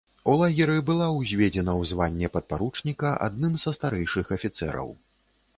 У лагеры была ўзведзена ў званне падпаручніка адным са старэйшых афіцэраў.